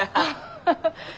ハハハ。